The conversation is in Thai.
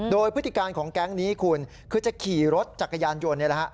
โดยพฤติการของแก๊งนี้คุณคือจะขี่รถจากกระยานยนต์